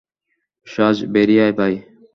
Surge, বেরিয়ে আয় ভাই!